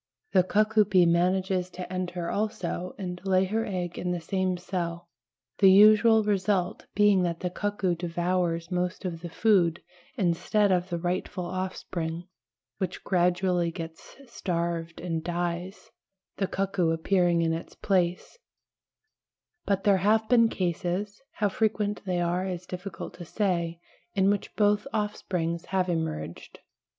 The cuckoo bee manages to enter also and lay her egg in the same cell, the usual result being that the cuckoo devours most of the food instead of the rightful offspring, which gradually gets starved and dies, the cuckoo appearing in its place; but there have been cases, how frequent they are is difficult to say, in which both offsprings have emerged.